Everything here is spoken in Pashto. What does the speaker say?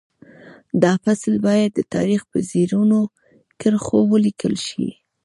دا فصل باید د تاریخ په زرینو کرښو ولیکل شي